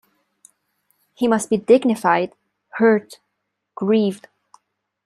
He must be dignified, hurt, grieved.